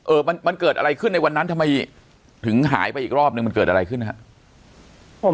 เออมันเกิดอะไรขึ้นในวันนั้นทำไมถึงหายไปอีกรอบนึงมันเกิดอะไรขึ้นครับ